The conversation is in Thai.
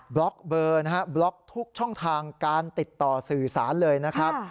ล็อกเบอร์นะฮะบล็อกทุกช่องทางการติดต่อสื่อสารเลยนะครับ